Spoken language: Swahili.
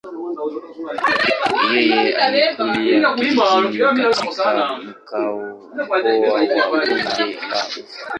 Yeye alikulia kijijini katika mkoa wa bonde la ufa.